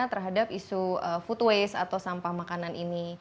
terhadap isu food waste atau sampah makanan ini